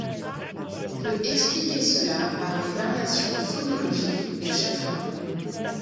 On peut expliquer cela par les variations phonologiques de chaque langue.